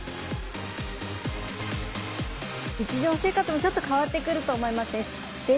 日常生活もちょっと変わってくると思いますね。